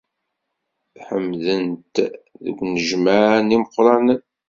Ḥemden-t deg unejmaɛ n imeqqranen.